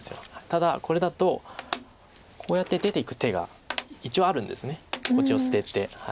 ただこれだとこうやって出ていく手が一応あるんですこっちを捨てて。